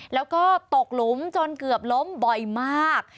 แล้วก็ตกหลุมจนเกือบล้มบ่อยมาก